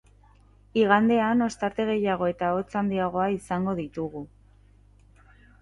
Igandean, ostarte gehiago eta hotz handiagoa izango ditugu.